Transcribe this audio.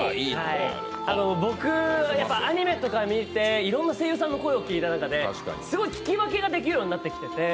僕、アニメとか見ていろんな声優さんの声を聞いた中ですごい聞き分けができるようになってきていて。